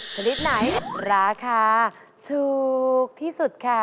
ชนิดไหนราคาถูกที่สุดค่ะ